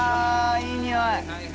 いい匂い！